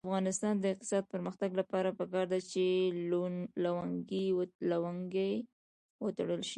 د افغانستان د اقتصادي پرمختګ لپاره پکار ده چې لونګۍ وتړل شي.